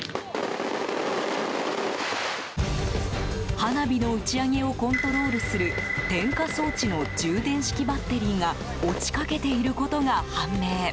花火の打ち上げをコントロールする点火装置の充電式バッテリーが落ちかけていることが判明。